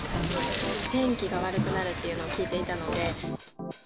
天気が悪くなるっていうのを聞いていたので。